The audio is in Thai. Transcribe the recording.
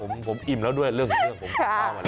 ผมอิ่มแล้วด้วยเรื่องผม